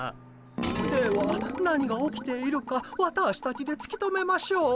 では何が起きているかワターシたちでつき止めましょう。